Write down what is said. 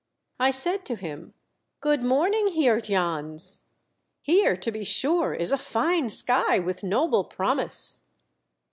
I said to him, " Good morning, Heer Jans. Here, to be sure, is a fine sky with noble promise."